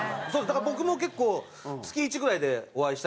だから僕も結構月１ぐらいでお会いしたりする。